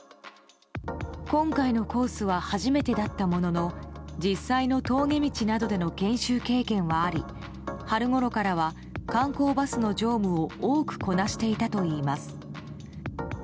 今回のコースは初めてだったものの実際の峠道などでの研修経験はあり春ごろからは観光バスの乗務を多くこなしていたといいます。